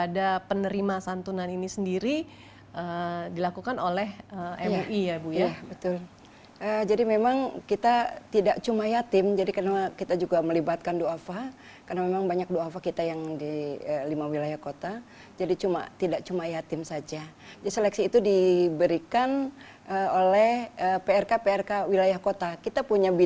dan bersama kami indonesia forward masih akan kembali sesaat lagi